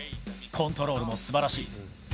コントロールもすばらしい。